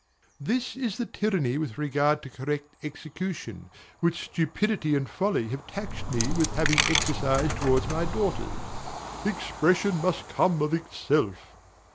This is the tyranny with regard to correct execution, which stupidity and folly have taxed me with having exercised towards my daughters. "Expression must come of itself!"